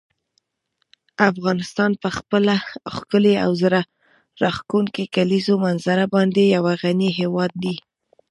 افغانستان په خپله ښکلې او زړه راښکونکې کلیزو منظره باندې یو غني هېواد دی.